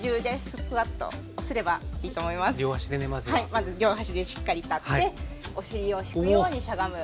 まず両足でしっかり立ってお尻を引くようにしゃがむ。